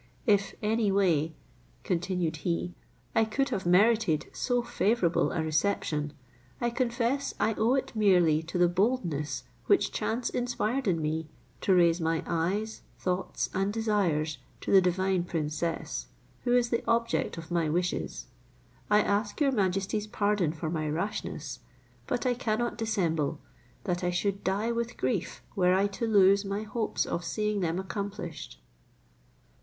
If any way," continued he, "I could have merited so favourable a reception, I confess I owe it merely to the boldness which chance inspired in me to raise my eyes, thoughts, and desires to the divine princess, who is the object of my wishes. I ask your majesty's pardon for my rashness, but I cannot dissemble, that I should die with grief were I to lose my hopes of seeing them accomplished."